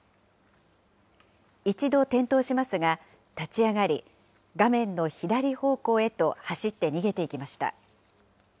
一度転倒しますが、立ち上がり、画面の左方向へと走って逃げていきました。